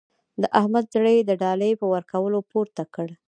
د احمد زړه يې د ډالۍ په ورکولو پورته کړ.